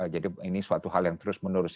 jadi ini suatu hal yang terus menerus